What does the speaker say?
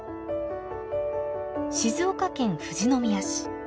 静岡県富士宮市。